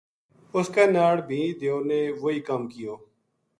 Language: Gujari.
اس کے ناڑ بھی دیو نے وہی کم کیو